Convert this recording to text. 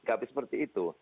nggak bisa seperti itu